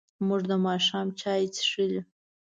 موږ د ماښام چای څښلی.